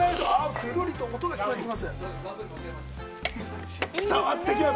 つるりと音が聞こえてきます。